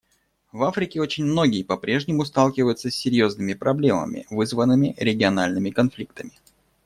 В Африке очень многие по-прежнему сталкиваются с серьезными проблемами, вызванными региональными конфликтами.